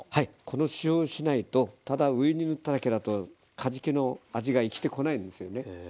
この塩をしないとただ上に塗っただけだとかじきの味が生きてこないですよね。